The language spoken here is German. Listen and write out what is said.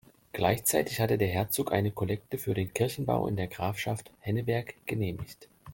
Gleichzeitig hatte der Herzog eine Kollekte für den Kirchenbau in der Grafschaft Henneberg genehmigt.